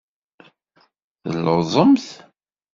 Telluẓemt?